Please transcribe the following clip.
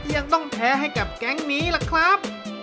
ยังต้องแพ้ให้กับแก๊งนี้ล่ะครับ